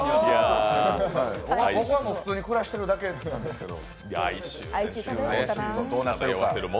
僕はもう普通に暮らしてるだけなんですけど。